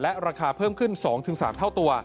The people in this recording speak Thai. ราคาเพิ่มขึ้น๒๓เท่าตัว